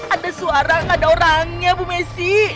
ada suara gak ada orangnya bu messi